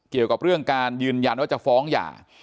เกี่ยวกับเรื่องการยืนยันว่าจะฟ้องหย่า